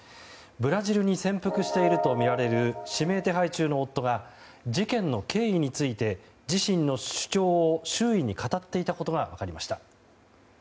ブラジルに潜伏しているとみられる指名手配中の夫が事件の経緯について自身の主張を周囲に語っていたことが分かりました。